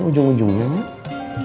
ini ujung ujungnya nih